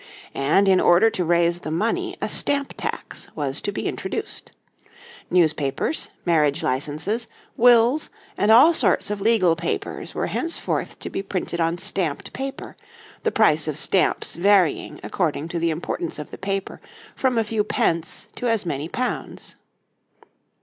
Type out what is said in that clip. And in order to raise the money a stamp tax was to be introduced. Newspapers, marriage licenses, wills, and all sorts of legal papers were henceforth to be printed on stamped paper, the price of stamps varying according to the importance of the paper from a few pence to as many pounds.